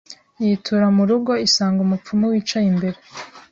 yitura mu rugo Isanga umupfumu wicaye imbere